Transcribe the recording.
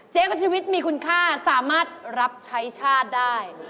กับชีวิตมีคุณค่าสามารถรับใช้ชาติได้